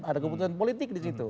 ada keputusan politik disitu